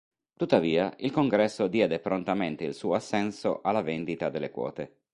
Tuttavia, il Congresso diede prontamente il suo assenso alla vendita delle quote.